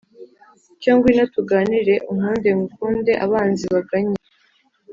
cyo ngwino tuganire unkunde ngukunde abanzi baganye